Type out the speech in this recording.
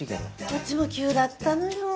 こっちも急だったのよ。